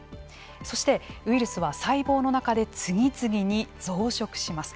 そして、ウイルスは細胞の中で次々に増殖します。